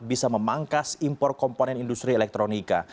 bisa memangkas impor komponen industri elektronika